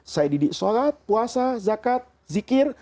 saya didik sholat puasa zakat zikir